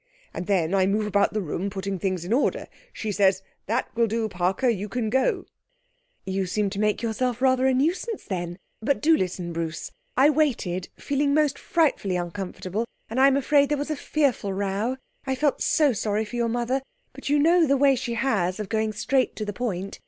And then I move about the room, putting things in order. She says, "That will do, Parker; you can go."' 'You seem to make yourself rather a nuisance, then; but do listen, Bruce. I waited, feeling most frightfully uncomfortable, and I am afraid there was a fearful row I felt so sorry for your mother, but you know the way she has of going straight to the point.